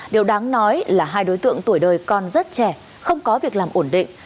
điều đáng nói là hai đối tượng tuổi đời còn rất trẻ không có việc làm ổn định